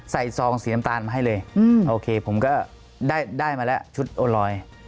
ซองสีน้ำตาลมาให้เลยโอเคผมก็ได้มาแล้วชุดโอลอย